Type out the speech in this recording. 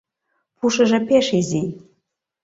Пушыжо пеш изи...